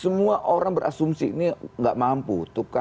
semua orang berasumsi ini nggak mampu